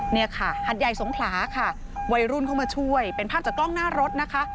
เนี่ยค่ะหัดใหญ่สงขลาค่ะวัยรุ่นเข้ามาช่วยเป็นภาพจากกล้องหน้ารถนะคะ